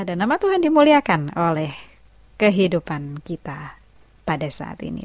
dan nama tuhan dimuliakan oleh kehidupan kita pada saat ini